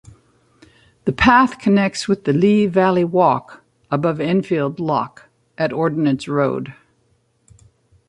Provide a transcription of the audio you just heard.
The path connects with the Lea Valley Walk above Enfield Lock at Ordnance Road.